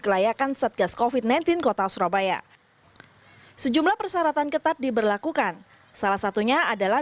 kekayakan setgas kofi sembilan belas kota surabaya sejumlah persyaratan ketat diberlakukan salah satunya adalah